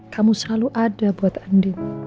kamu selalu ada buat andi